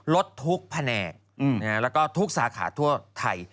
รถทุกแผนกแล้วก็ทุกสาขาทั่วไทย